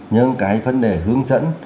những cái vấn đề hướng dẫn